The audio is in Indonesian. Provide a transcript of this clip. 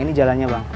ini jalannya bang